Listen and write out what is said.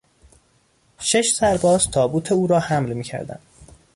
شش سرباز تابوت او را حمل میکردند.